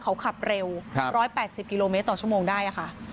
เขาขับเร็ว๑๘๐กิโลเมตรต่อชั่วโมงได้ค่ะ